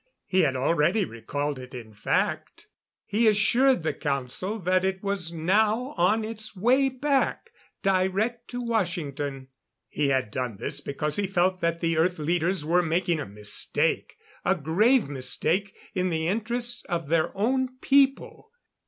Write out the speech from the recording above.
He had already recalled it, in fact. He assured the Council that it was now on its way back, direct to Washington. He had done this because he felt that the Earth leaders were making a mistake a grave mistake in the interests of their own people.